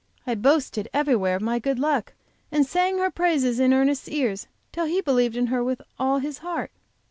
I boasted everywhere of my good luck, and sang her praises in Ernest's ears till he believed in her with all his heart.